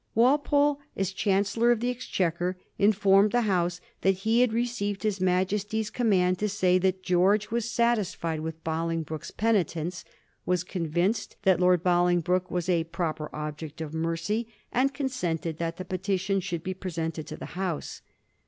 Walpole, as Chancellor of the Exchequer, informed the House that he had received his Majesty's com mand to say that George was satisfied with Boling Digiti zed by Google 1725 THE BOLINGBROKE PETITION. 339 broke's penitence, was convinced that Lord Boling broke was a proper object of mercy, and consented that the petition should be presented to the House.